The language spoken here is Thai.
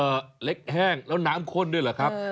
เล็กแห้งแล้วน้ำข้นด้วยเหรอครับ